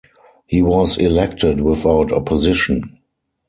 He was elected without opposition.